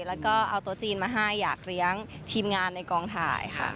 แล้วก็เอาโต๊ะจีนมาให้อยากเลี้ยงทีมงานในกองถ่ายค่ะ